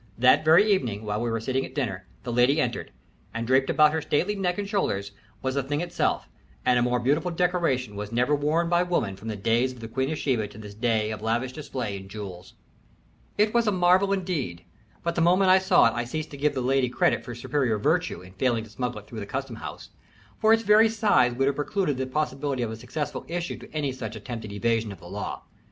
That very evening, while we were sitting at dinner, the lady entered, and draped about her stately neck and shoulders was the thing itself, and a more beautiful decoration was never worn by woman from the days of the Queen of Sheba to this day of lavish display in jewels. It was a marvel, indeed, but the moment I saw it I ceased to give the lady credit for superior virtue in failing to smuggle it through the custom house, for its very size would have precluded the possibility of a successful issue to any such attempted evasion of the law.